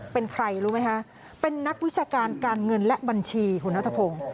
เป็นใครรู้ไหมคะเป็นนักวิชาการการเงินและบัญชีคุณนัทพงศ์